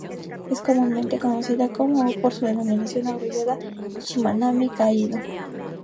Es comúnmente conocida como o por su denominación abreviada, "Shimanami-kaido".